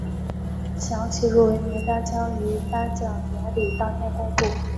详细入围名单将于颁奖典礼当天公布。